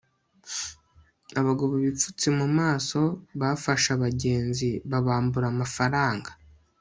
abagabo bipfutse mu maso bafashe abagenzi babambura amafaranga